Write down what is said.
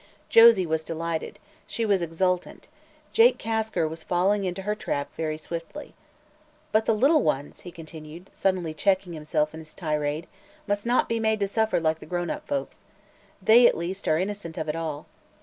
Josie was delighted; she was exultant; Jake Kasker was falling into her trap very swiftly. "But the little ones," he continued, suddenly checking himself in his tirade, "must not be made to suffer like the grown up folks. They, at least, are innocent of it all.